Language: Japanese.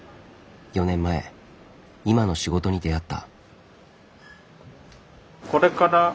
４年前今の仕事に出会った。